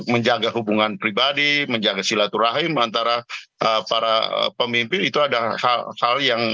menjaga hubungan pribadi menjaga silaturahim antara para pemimpin itu ada hal hal yang